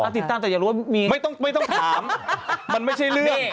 ติดตามแต่อย่ารู้ว่าไม่ต้องถามมันไม่ใช่เรื่อง